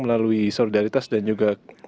melalui solidaritas dan juga